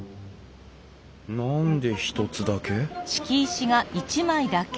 何で一つだけ？